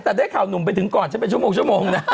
แต่ด้วยข่าวหนุ่มไปถึงก่อนฉันจะไปชั่วโมงนี่